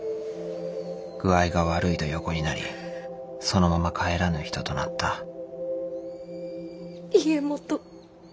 具合が悪いと横になりそのまま帰らぬ人となった家基。